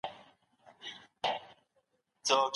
آیا د بادامو پوستکی په اسانۍ سره ماتیږي؟.